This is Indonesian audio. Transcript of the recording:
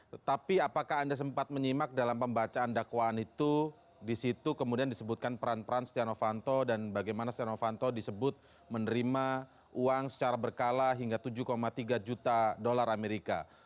tetapi apakah anda sempat menyimak dalam pembacaan dakwaan itu disitu kemudian disebutkan peran peran setia novanto dan bagaimana setia novanto disebut menerima uang secara berkala hingga tujuh tiga juta dolar amerika